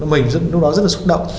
mình lúc đó rất là xúc động